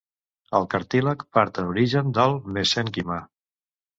El cartílag part en origen del mesènquima.